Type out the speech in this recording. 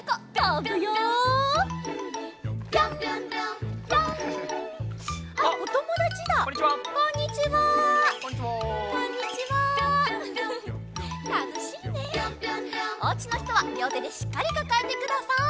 おうちのひとはりょうてでしっかりかかえてください。